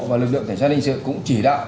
và lực lượng cảnh sát hình sự cũng chỉ đạo